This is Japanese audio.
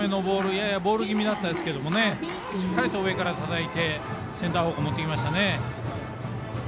ややボール気味でしたけどしっかりと上からたたいてセンター方向持っていきましたね。